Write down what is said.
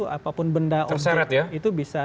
apapun benda itu bisa